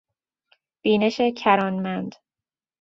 بینش کرانمند